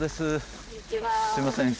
すいません